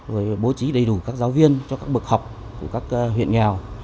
rồi bố trí đầy đủ các giáo viên cho các bậc học của các huyện nghèo